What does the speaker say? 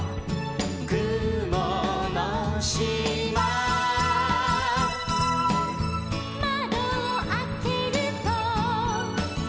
「くものしま」「まどをあけると」